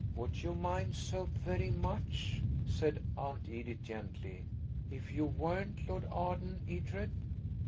"Would you mind so very much," said Aunt Edith gently, "if you weren't Lord Arden, Edred?